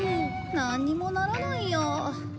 なんにもならないや。